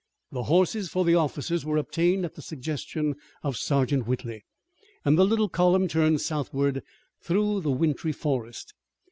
The horses for the officers were obtained at the suggestion of Sergeant Whitley, and the little column turned southward through the wintry forest.